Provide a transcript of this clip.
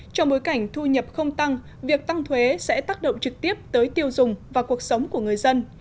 trong bối cảnh thu nhập không tăng việc tăng thuế sẽ tác động trực tiếp tới tiêu dùng và cuộc sống của người dân